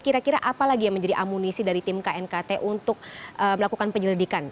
kira kira apa lagi yang menjadi amunisi dari tim knkt untuk melakukan penyelidikan